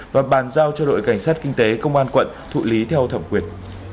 và bàn giao cho đội cảnh sát kinh tế công an quận thụ lý theo thẩm quyền